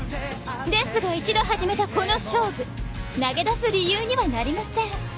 ですが一度始めたこの勝負投げ出す理由にはなりません。